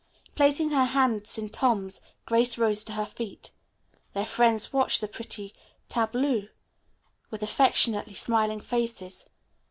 Placing her hands in Tom's, Grace rose to her feet. Their friends watched the pretty tableau with affectionately smiling faces.